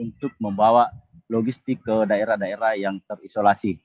untuk membawa logistik ke daerah daerah yang terisolasi